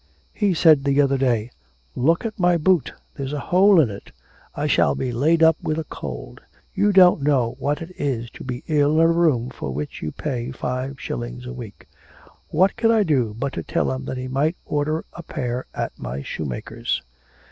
He said the other day, "Look at my boot, there's a hole in it; I shall be laid up with a cold. You don't know what it is to be ill in a room for which you pay five shillings a week." What could I do but to tell him that he might order a pair at my shoemaker's?'